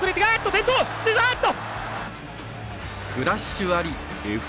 クラッシュありＦ